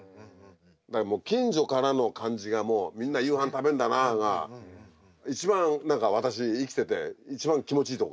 だからもう近所からの感じがもうみんな夕飯食べるんだなが一番何か私生きてて一番気持ちいい時。